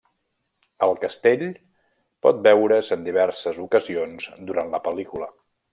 El castell pot veure's en diverses ocasions durant la pel·lícula.